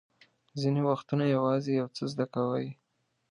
ځینې وختونه یوازې یو څه زده کوئ.